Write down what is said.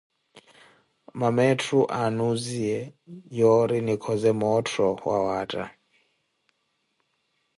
Mama etthu aanusiye yoori nihikhoze moottho wawaatta.